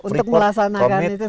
untuk melaksanakan itu semua